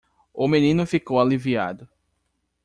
O menino ficou aliviado.